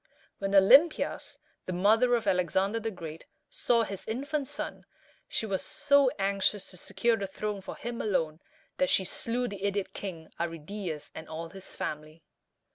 When Olympias, the mother of Alexander the Great, saw his infant son, she was so anxious to secure the throne for him alone, that she slew the idiot king Arridæus and all his family.